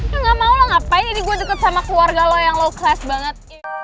aku gak mau lah ngapain ini gue deket sama keluarga lo yang low class banget